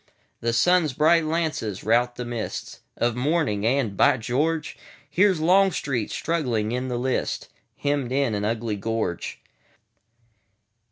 The sun's bright lances rout the mistsOf morning; and—By George! Here 's Longstreet, struggling in the lists, Hemmed in an ugly gorge.